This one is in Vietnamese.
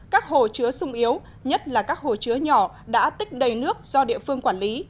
các hồ chứa sung yếu nhất là các hồ chứa nhỏ đã tích đầy nước do địa phương quản lý